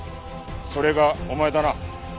それがお前だな？